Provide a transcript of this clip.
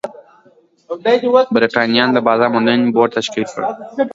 برېټانویانو د بازار موندنې بورډ تشکیل کړ.